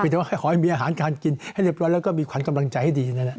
แต่ว่าขอให้มีอาหารการกินให้เรียบร้อยแล้วก็มีขวัญกำลังใจให้ดีนั่นแหละ